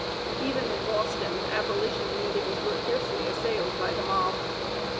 Even in Boston, Abolition meetings were fiercely assailed by the mob.